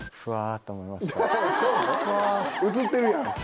うつってるやん。